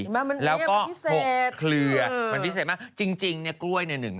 มันพิเศษคือมันพิเศษมากจริงนี่กล้วยใน๑ต้น